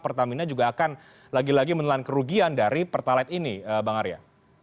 pertamina juga akan lagi lagi menelan kerugian dari pertalite ini bang arya